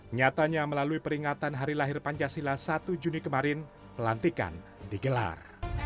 nyatanya melalui peringatan hari lahir pancasila satu juni kemarin pelantikan digelar